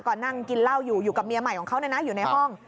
ก็นั่งกินเหล้าอยู่อยู่กับเมียใหม่ของเขาอยู่ในห้อง